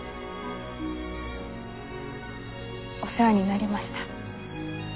お世話になりました。